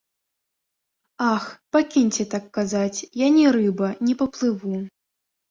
Ах, пакіньце так казаць, я не рыба, не паплыву.